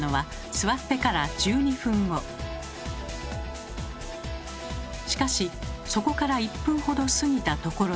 しかしそこから１分ほど過ぎたところで。